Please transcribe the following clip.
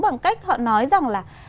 bằng cách họ nói rằng là